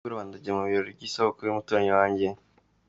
Nimugoroba ndajya mu birori by'isabukuru y'umuturanyi wanjye.